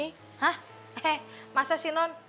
hah eh masa sih non